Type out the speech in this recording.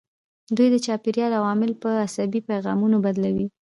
دوی د چاپیریال عوامل په عصبي پیغامونو بدلوي.